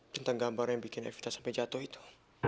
tentang gambar yang bikin evita sampai jatuh itu